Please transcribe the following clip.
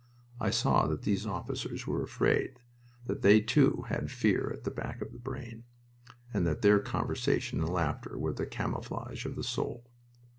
I saw that these officers were afraid; that they, too, had Fear at the back of the brain, and that their conversation and laughter were the camouflage of the soul.